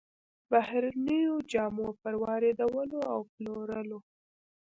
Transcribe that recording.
بهرنيو جامو پر واردولو او پلورلو